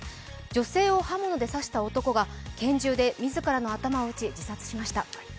女性を刃物で差した男が拳銃で自らの頭を撃って死亡しました。